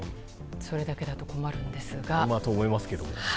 それだけだと困るんですが。